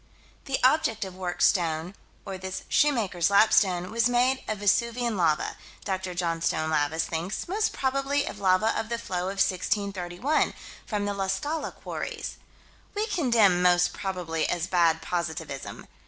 This object of worked stone, or this shoemaker's lapstone, was made of Vesuvian lava, Dr. Johnstone Lavis thinks: most probably of lava of the flow of 1631, from the La Scala quarries. We condemn "most probably" as bad positivism.